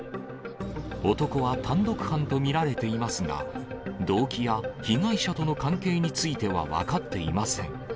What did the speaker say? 男は単独犯と見られていますが、動機や被害者との関係については分かっていません。